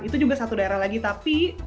itu juga satu daerah lagi tapi